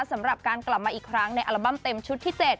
สำหรับการกลับมาอีกครั้งในอัลบั้มเต็มชุดที่๗